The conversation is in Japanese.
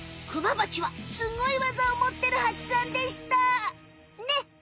クマバチはすっごいわざをもってるハチさんでした！ね！